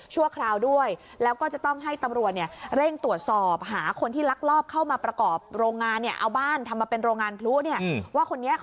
ใช่ครับเพราะว่าทำไมถึงทำแบบนี้